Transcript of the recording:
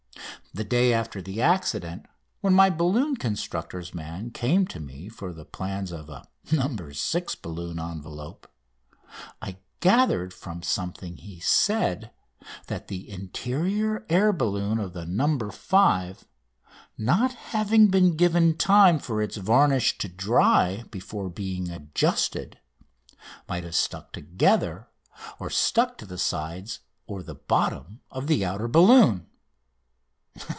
The day after the accident, when my balloon constructor's man came to me for the plans of a "No. 6" balloon envelope, I gathered from something he said that the interior air balloon of the "No. 5," not having been given time for its varnish to dry before being adjusted, might have stuck together or stuck to the sides or bottom of the outer balloon.